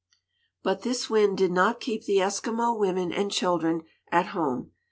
But this wind did not keep the Eskimo women and children at home.